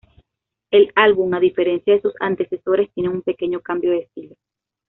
El álbum a diferencia de sus antecesores, tiene un pequeño cambio de estilo.